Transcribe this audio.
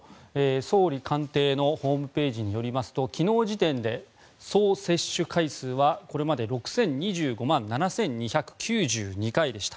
総理官邸のホームページによりますと昨日時点で総接種回数はこれまでに６０２５万７２９２回でした。